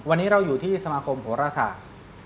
วันนี้เราอยู่ที่สมาคมโหรศาสตร์